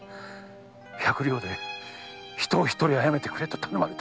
「百両で人を一人殺めてくれ」と頼まれたのは。